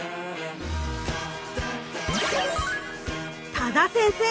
多田先生